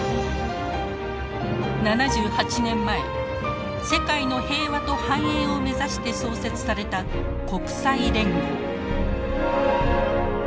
７８年前「世界の平和と繁栄」を目指して創設された国際連合。